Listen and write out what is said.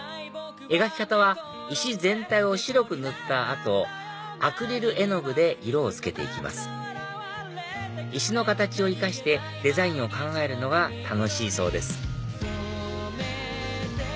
描き方は石全体を白く塗った後アクリル絵の具で色を付けて行きます石の形を生かしてデザインを考えるのが楽しいそうです